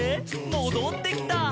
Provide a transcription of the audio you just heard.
もどってきた」